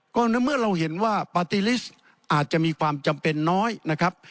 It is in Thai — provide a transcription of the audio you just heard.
ก็ในเมื่อเราเห็นว่าปาร์ตี้ลิสต์อาจจะมีความจำเป็นน้อยนะครับ